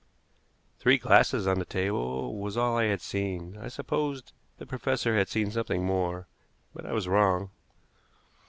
Three glasses on the table was all I had seen. I supposed the professor had seen something more, but I was wrong.